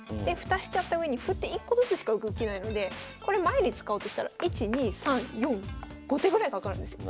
蓋しちゃったうえに歩って１個ずつしか動けないのでこれ前に使おうとしたら１２３４５手ぐらいかかるんですよ。